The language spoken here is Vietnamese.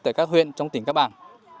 tại các huyện trong tỉnh cáp ảng